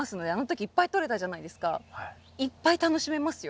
いっぱい楽しめますよ。